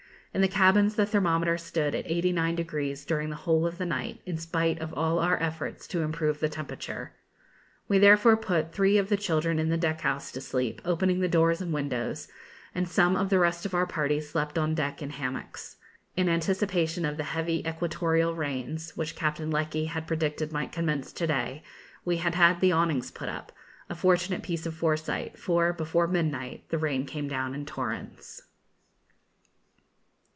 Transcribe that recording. In the cabins the thermometer stood at 89° during the whole of the night, in spite of all our efforts to improve the temperature. We therefore put three of the children in the deck house to sleep, opening the doors and windows; and some of the rest of our party slept on deck in hammocks. In anticipation of the heavy equatorial rains, which Captain Lecky had predicted might commence to day, we had had the awnings put up; a fortunate piece of foresight, for, before midnight, the rain came down in torrents.